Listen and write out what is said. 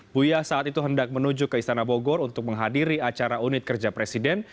buya saat itu hendak menuju ke istana bogor untuk menghadiri acara unit kerja presiden